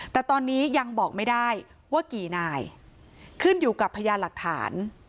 แต่ตอนนี้ยังบอกไม่ได้ว่ากี่นายขึ้นอยู่กับพยานหลักฐาน